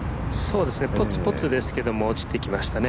ぽつぽつですけども落ちてきましたね。